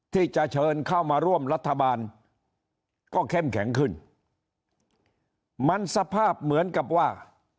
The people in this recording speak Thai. ที่จะเชิญเข้ามาร่วมรัฐบาลก็เข้มแข็งขึ้นมันสภาพเหมือนกับว่า